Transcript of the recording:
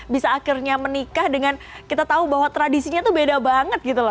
bisa akhirnya menikah dengan kita tahu bahwa tradisinya tuh beda banget gitu loh